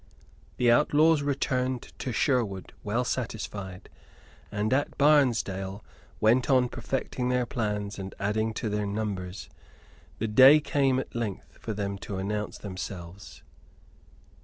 The outlaws returned to Sherwood well satisfied; and at Barnesdale went on perfecting their plans and adding to their numbers. The day came at length for them to announce themselves.